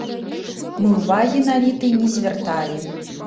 Мы ўвагі на літый не звярталі.